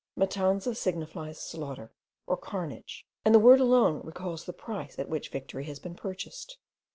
Matanza signifies slaughter, or carnage; and the word alone recalls the price at which victory has been purchased.